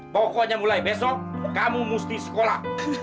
pokoknya mulai besok kamu mesti sekolah